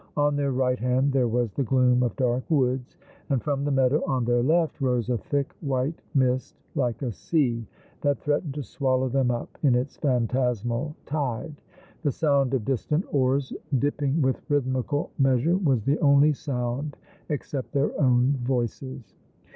On their right hand there was the gloom of dark woods: and from tho meadow on their left rose a thick white mist, like a sea that threatened to swallow them up in its phantasmal tide. The sound of distant oars, dipping with rhythmical measure, was the only sound except their own voices.